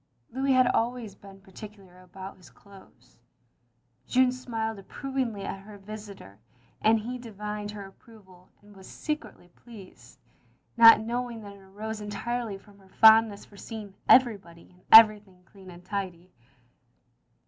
Louis had always been particular about his clothes. Jeanne smiled approvingly at her visitor, and he divined her approval and was secretly pleased, not knowing that it arose entirely from her fond ness for seeing everybody and everything clean and tidy.